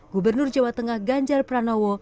gubernur jawa tengah ganjar pranowo